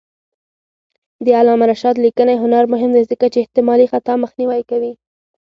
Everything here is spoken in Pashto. د علامه رشاد لیکنی هنر مهم دی ځکه چې احتمالي خطا مخنیوی کوي.